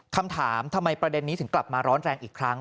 คำถามทำไมประเด็นนี้ถึงกลับมาร้อนแรงอีกครั้ง